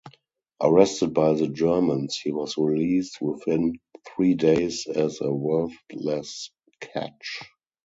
Arrested by the Germans, he was released within three days as a worthless catch.